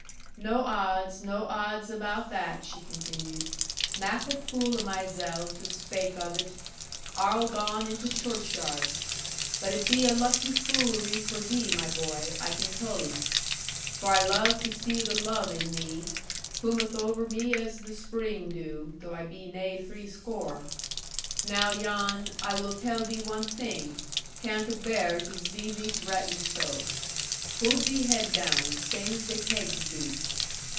'No odds, no odds about that,' she continued; 'mak a fool of myzell to spake of it. Arl gone into churchyard. But it be a lucky foolery for thee, my boy, I can tull 'ee. For I love to see the love in thee. Coom'th over me as the spring do, though I be naigh three score. Now, Jan, I will tell thee one thing, can't abear to zee thee vretting so. Hould thee head down, same as they pegs do.'